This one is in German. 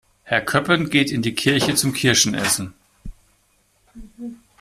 Herr Köppen geht in die Kirche zum Kirschen essen.